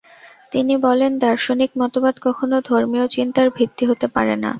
তিনি বলেন- দার্শনিক মতবাদ কখনও ধর্মীয় চিন্তার ভিত্তি হতে পারে না।